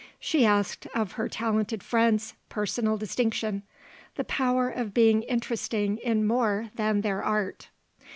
She asked of her talented friends personal distinction, the power of being interesting in more than their art.